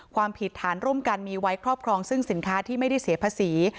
ความผิดฐานร่วมกันมีไว้ครอบครองซึ่งสินค้าที่ไม่ได้เสียภาษี